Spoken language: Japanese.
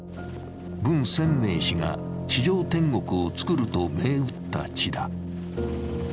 文鮮明氏が地上天国を作ると銘打った地だ。